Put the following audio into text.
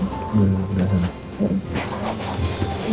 udah udah sholat